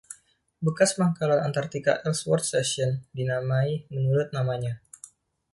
Bekas pangkalan Antartika Ellsworth Station dinamai menurut namanya.